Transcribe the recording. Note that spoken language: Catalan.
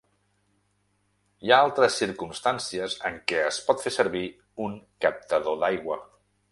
Hi ha altres circumstàncies en què es pot fer servir un "captador d'aigua".